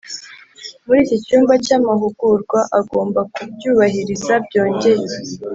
Muri iki cyumba cy amahugurwa agomba kubyubahiriza byongeye